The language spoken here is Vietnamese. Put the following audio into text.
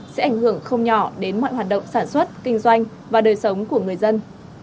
sẽ ảnh hưởng không nhỏ đến mọi hoạt động sản xuất kinh doanh và đời sống của người dân